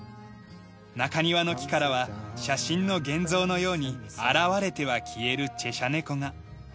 中庭の木からは写真の現像のように現れては消えるチェシャ猫が。